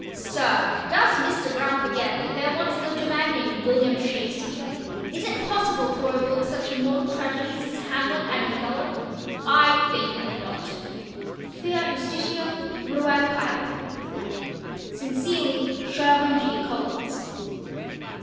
Sir, does Mr. Broun forget that there once lived a man named William Shakespeare? Is it possible to overlook such immortal tragedies as Hamlet and Othello? I think not. Fiat justitia, ruat cœlum. Sincerely, SHERWIN G. COLLINS.